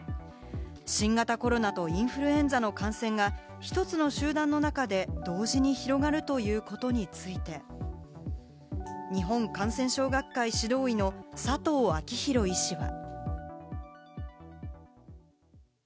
新型コロナとインフルエンザの感染が一つの集団の中で同時に広がるということについて日本感染症学会・指導医の佐藤昭裕医師は。